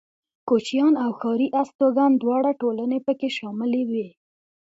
کوچيان او ښاري استوگن دواړه ټولنې پکې شاملې وې.